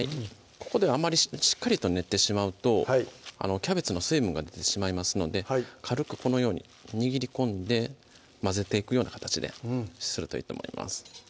ここであんまりしっかりと練ってしまうとキャベツの水分が出てしまいますので軽くこのように握り込んで混ぜていくような形でするといいと思います